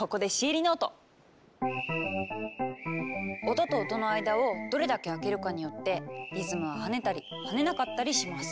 音と音の間をどれだけ空けるかによってリズムは跳ねたり跳ねなかったりします！